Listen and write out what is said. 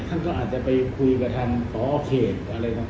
ท่านก็อาจจะไปคุยกับทางพอเขตอะไรต่าง